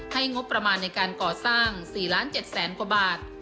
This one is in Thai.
งบประมาณในการก่อสร้าง๔๗๐๐๐กว่าบาท